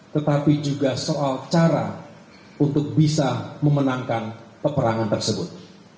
tetapi juga soal cara untuk bisa memenangkan peperangan tersebut